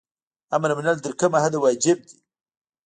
امر منل تر کومه حده واجب دي؟